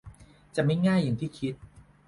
จะไม่ง่ายอย่างที่คิด